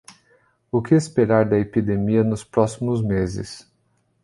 O que esperar da epidemia nos próximos meses